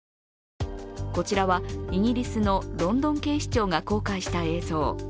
こちらは、イギリスのロンドン警視庁が公開した映像。